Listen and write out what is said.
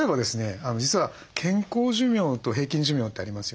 実は健康寿命と平均寿命ってありますよね。